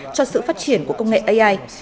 cho sự phát triển của công nghệ ai